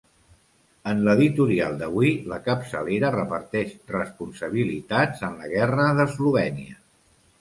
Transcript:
En l’editorial d’avui, la capçalera reparteix responsabilitats en la guerra d’Eslovènia.